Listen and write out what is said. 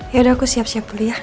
yaudah aku siap siap dulu ya